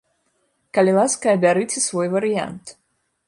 Калі ласка, абярыце свой варыянт.